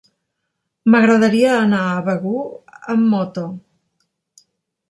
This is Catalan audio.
M'agradaria anar a Begur amb moto.